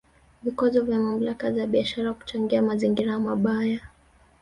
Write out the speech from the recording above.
Vikwazo vya mamlaka za biashara kuchangia mazingira mabaya